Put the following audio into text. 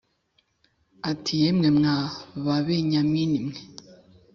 ati “Yemwe mwa Babenyamini mwe